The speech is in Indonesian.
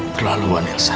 terlalu banget nielsa